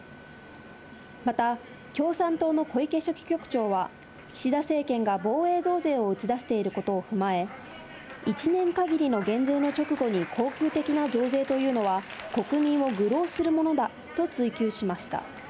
また、共産党の小池書記局長は、岸田政権が防衛増税を打ち出していることを踏まえ、１年限りの減税の直後に恒久的な増税というのは、国民を愚弄するものだと追究しました。